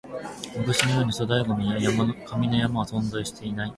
昔のように粗大ゴミや紙の山は存在していない